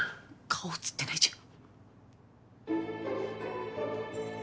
顔、写ってないじゃん！